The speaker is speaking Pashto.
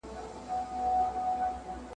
او مرغانو ته ایږدي د مرګ دامونه !.